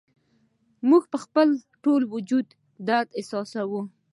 موږ په خپل ټول وجود درد احساسوو